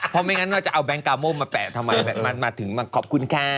เพราะไม่งั้นจะเอาแบงก์กามอมมาแปะทำอะไรมาถึงขอบคุณค่ะ